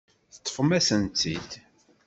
Teṭṭfem-asent-t-id.